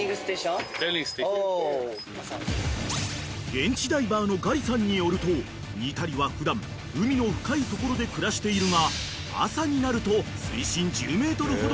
［現地ダイバーのガリさんによるとニタリは普段海の深い所で暮らしているが朝になると水深１０ｍほどの所に］